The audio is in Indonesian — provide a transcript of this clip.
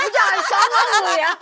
jangan sama lu ya